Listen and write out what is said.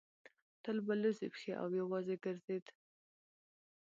تل به لڅې پښې او یوازې ګرځېد.